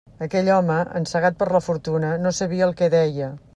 Aquell home, encegat per la fortuna, no sabia el que deia.